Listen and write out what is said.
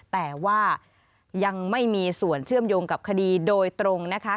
แต่ว่ายังไม่มีส่วนเชื่อมโยงกับคดีโดยตรงนะคะ